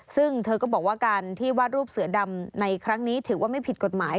ซึ่งเธอก็บอกว่าการที่วาดรูปเสือดำในครั้งนี้ถือว่าไม่ผิดกฎหมาย